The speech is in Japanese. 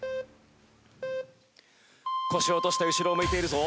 腰を落として後ろを向いているぞ。